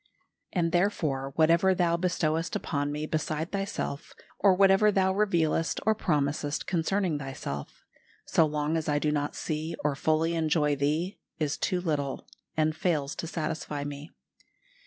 "And therefore whatever Thou bestowest upon me beside Thyself, or whatever Thou revealest or promisest concerning Thyself, so long as I do not see or fully enjoy Thee, is too little, and fails to satisfy me.